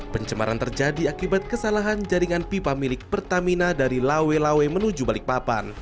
pencemaran terjadi akibat kesalahan jaringan pipa milik pertamina dari lawe lawe menuju balikpapan